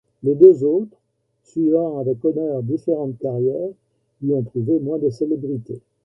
Les deux autres, suivant avec honneur différentes carrières, y ont trouvé moins de célébrité.